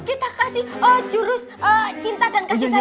kita kasih jurus cinta dan kasih sayang